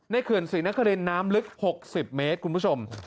เขื่อนศรีนครินน้ำลึก๖๐เมตรคุณผู้ชม